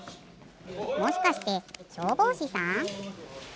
もしかしてしょうぼうしさん？